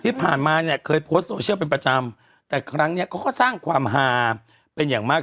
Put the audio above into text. ที่ผ่านมาเนี่ยเคยโพสต์โซเชียลเป็นประจำแต่ครั้งเนี้ยเขาก็สร้างความฮาเป็นอย่างมาก